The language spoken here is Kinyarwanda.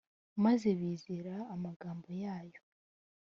maze bizera amagambo yayo